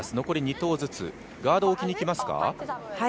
残り２投ずつ、ガードを置きにきますか？